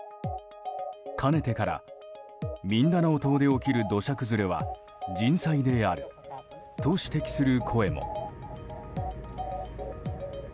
かねてからミンダナオ島で起きる土砂崩れは人災であると指摘する声も。